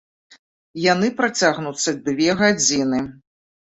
Яны працягнуцца дзве гадзіны.